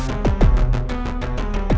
sinema berhenti kuat loi